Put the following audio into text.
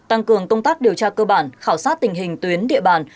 tăng cường công tác điều tra cơ bản khảo sát tình hình tuyến địa bàn